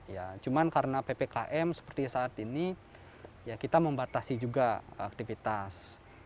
ya cuma karena ppkm seperti saat ini ya kita membatasi juga aktivitas